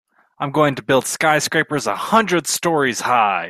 I'm going to build skyscrapers a hundred stories high.